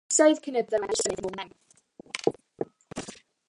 Fe fydd hi'n fisoedd cyn y byddan nhw'n medru symud nôl mewn.